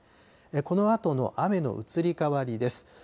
このあとの雨の移り変わりです。